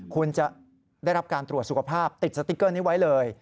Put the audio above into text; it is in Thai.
คุณจะได้รับการตรวจสุขภาพติดสติ๊กเกอร์นี้ไว้เลย